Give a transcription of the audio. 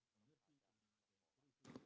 karena adanya krisis energi karena adanya krisis